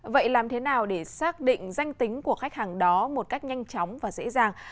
vậy làm thế nào để xác định danh tính của khách hàng đó một cách nhanh chóng và dễ dàng